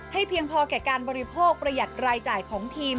เพียงพอแก่การบริโภคประหยัดรายจ่ายของทีม